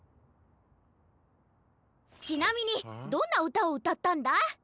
ちなみにどんなうたをうたったんだ？